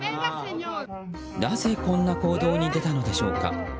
なぜこんな行動に出たのでしょうか。